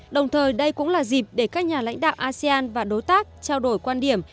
đồng thời đây cũng là dịp để các nhà lãnh đạo asean và đối tác trao đổi quan điểm